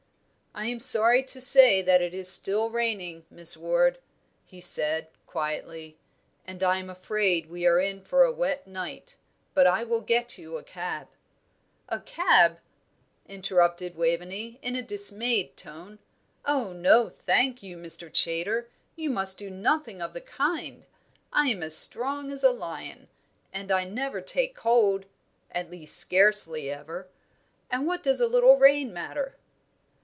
"I am sorry to say that it is still raining, Miss Ward," he said, quietly, "and I am afraid we are in for a wet night; but I will get you a cab " "A cab!" interrupted Waveney, in a dismayed tone. "Oh, no, thank you, Mr. Chaytor, you must do nothing of the kind. I am as strong as a lion, and I never take cold at least, scarcely ever. And what does a little rain matter?"